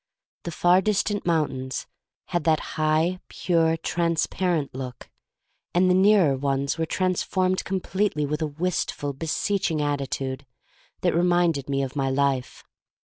The far dis tant mountains had that high, pure, transparent look, and the nearer ones were transformed completely with a wistful, beseeching attitude that re minded me of my life.